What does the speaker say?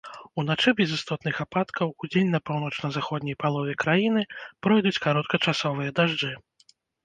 Уначы без істотных ападкаў, удзень па паўночна-заходняй палове краіны пройдуць кароткачасовыя дажджы.